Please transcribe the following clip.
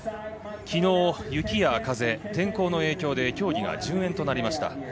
きのう、雪や風天候の影響で競技が順延となりました。